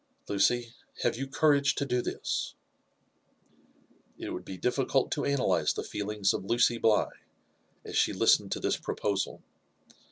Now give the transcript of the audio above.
— ^Lucy, have you courage to do this T* It would be difficult to analyze the feelings of Lucy Bligh as she listened to this proposal.